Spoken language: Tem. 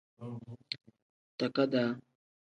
Takadaa.